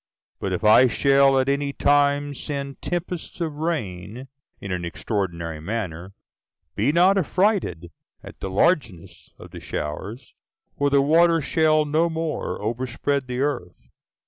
But if I shall at any time send tempests of rain, in an extraordinary manner, be not affrighted at the largeness of the showers; for the water shall no more overspread the earth.